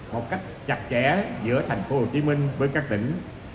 một cách chặt chẽ giữa thành phố hồ chí minh với các tỉnh